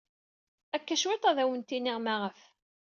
Akka cwiṭ ad awent-iniɣ maɣef.